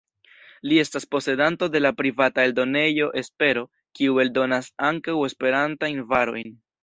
Li estas posedanto de la privata eldonejo Espero, kiu eldonas ankaŭ Esperantajn varojn.